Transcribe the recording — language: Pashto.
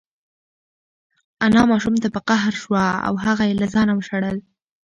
انا ماشوم ته په قهر شوه او هغه یې له ځانه وشړل.